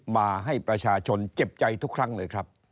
มาให้ประชาชนเจ็บใจทุกครั้งเลยครับ